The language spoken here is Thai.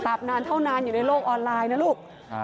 นานเท่านานอยู่ในโลกออนไลน์นะลูก